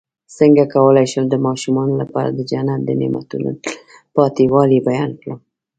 څنګه کولی شم د ماشومانو لپاره د جنت د نعمتو تلپاتې والی بیان کړم